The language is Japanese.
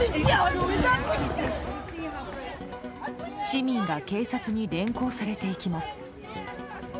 市民が警察に連行されていきます。